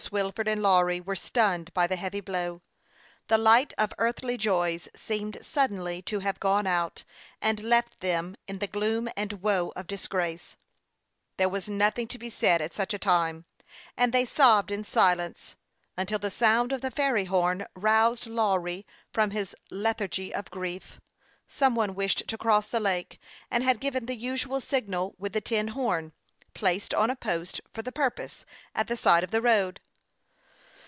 Wilford and Lawry were stunned by the heavy blow. The light of earthly joys seemed sud denly to have gone out, and left them in the gloom and woe of disgrace and desolation. Mother and son wept long and bitterly. There was nothing to THE YOUNG PILOT OF LAKE CHAIVIPLAIY. 97 be said at such a time, and they sobbed ia silence, until the sound of the ferry horn roused Lawry from his lethargy of grief. Some one wished to cross the lake, and had given the usual signal with the tin horn, placed on a post for the purpose, at the side of the road.